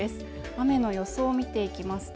雨の予想見ていきますと